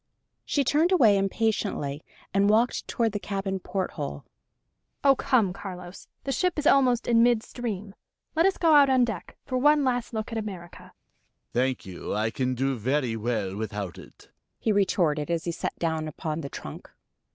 She turned away impatiently and walked toward the cabin porthole. "Oh, come, Carlos. The ship is almost in mid stream. Let us go out on deck, for one last look at America." "Thank you; I can do very well without it!" he retorted, as he sat down upon the trunk.